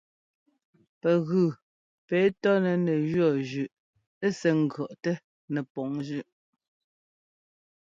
Pɛgʉ pɛ tɔ́nɛ nɛ jʉɔ́ zʉꞌ sɛ́ ŋgʉ̈ɔꞌtɛ nɛpɔŋ zʉꞌ.